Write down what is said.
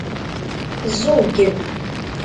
Ẓugg.